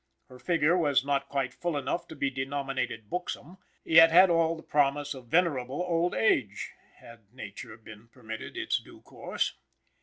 Her figure was not quite full enough to be denominated buxom, yet had all the promise of venerable old age, had nature been permitted its due course.